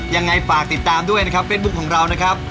ยังไงฝากติดตามด้วยนะครับเฟซบุ๊คของเรานะครับ